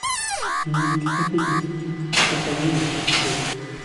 Une musique répétitive accompagnait le visiteur.